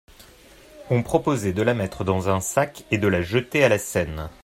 On proposait de la mettre dans un sac et de la jeter à la Seine.